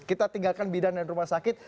kita tinggalkan bidan dan rumah sakit